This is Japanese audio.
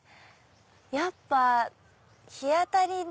やっぱ日当たりで。